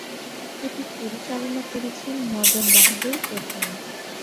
এটি পরিচালনা করেছেন মদন বাহাদুর প্রধান।